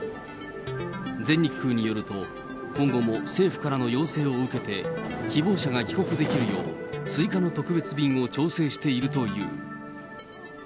全日空によると、今後も政府からの要請を受けて、希望者が帰国できるよう、追加の特別便を調整しているという。